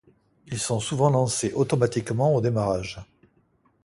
Ils sont souvent lancés automatiquement au démarrage.